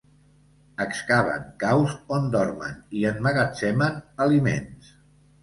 Excaven caus on dormen i emmagatzemen aliments.